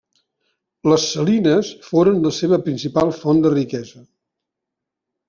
Les salines foren la seva principal font de riquesa.